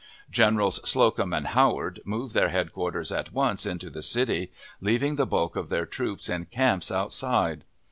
Generals Slocum and Howard moved their headquarters at once into the city, leaving the bulk of their troops in camps outside.